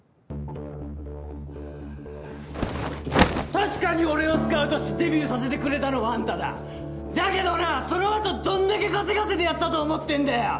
確かに俺をスカウトしデビューさせてくれたのはあんただだけどなそのあとどんだけ稼がせてやったと思ってんだよ